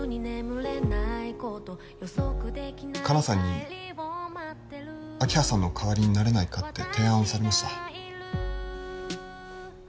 香菜さんに明葉さんの代わりになれないかって提案をされました